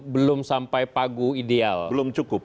belum sampai pagu ideal